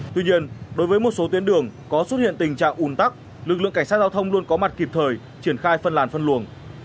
tuy nhiên đối với một số tuyến đường có xuất hiện tình trạng ùn tắc lực lượng cảnh sát giao thông luôn có mặt kịp thời triển khai phân làn phân luồng